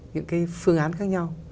những cái phương án khác nhau